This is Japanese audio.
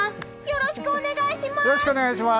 よろしくお願いします！